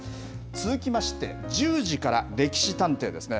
続きまして１０時から歴史探偵ですね。